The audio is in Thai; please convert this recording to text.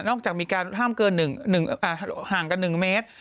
จากมีการห้ามเกินห่างกัน๑เมตร